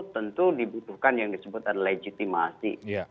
tentu dibutuhkan yang disebutkan legitimasi